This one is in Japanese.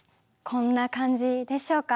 こんな感じでしょうか？